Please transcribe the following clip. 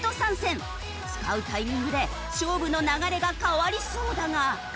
使うタイミングで勝負の流れが変わりそうだが。